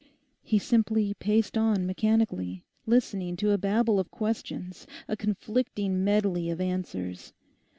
He simply paced on mechanically, listening to a Babel of questions, a conflicting medley of answers.